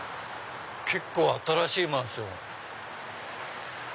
結構新しいマンション。